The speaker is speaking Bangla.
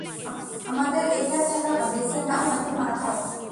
আমাদের এটা খেলা উচিত না -বেছে নাও নয়তো মারা খাও?